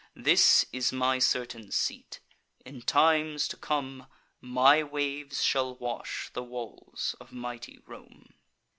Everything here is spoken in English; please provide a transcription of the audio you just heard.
This is my certain seat. In times to come, My waves shall wash the walls of mighty Rome."